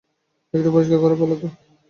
একটু পরিষ্কার করে বলো তো।